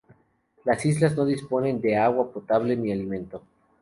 Las islas no disponen de agua potable ni alimento.